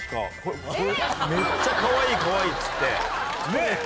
めっちゃかわいいかわいいっつってねっ。